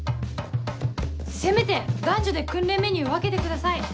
せめて男女で訓練メニューを分けてください。